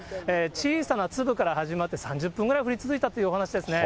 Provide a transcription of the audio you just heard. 小さな粒から始まって３０分ぐらい降り続いたというお話ですね。